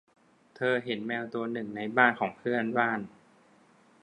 เธอเห็นแมวตัวหนึ่งในบ้านของเพื่อนบ้าน